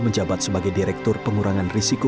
menjabat sebagai direktur pengurangan risiko